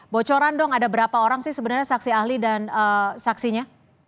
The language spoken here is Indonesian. bocoran dong ada berapa orang sih sebenarnya saksi ahli dan saksinya